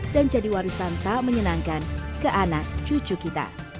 dan jadi warisan tak menyenangkan ke anak cucu kita